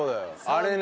あれね。